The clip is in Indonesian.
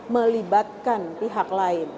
melibatkan pihak lain